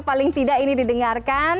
paling tidak ini didengarkan